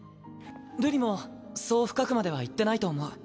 瑠璃もそう深くまでは行ってないと思う。